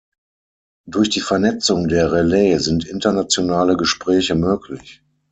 Durch die Vernetzung der Relais sind internationale Gespräche möglich.